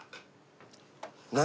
何？